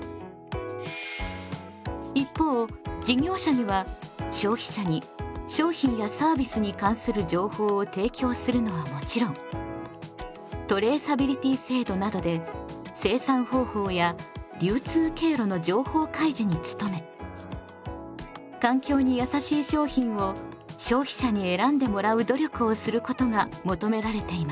一方事業者には消費者に商品やサービスに関する情報を提供するのはもちろんトレーサビリティ制度などで生産方法や流通経路の情報開示に努め環境にやさしい商品を消費者に選んでもらう努力をすることが求められています。